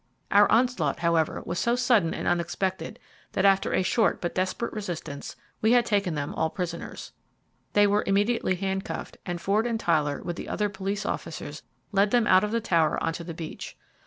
Our onslaught, however, was so sudden and unexpected, that after a short but desperate resistance we had taken them all prisoners. They were immediately handcuffed, and Ford and Tyler with the other police officers led them out of the tower on to the beach.